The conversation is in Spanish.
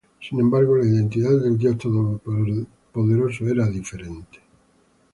Sin embargo, la identidad del Dios Todopoderoso era diferente.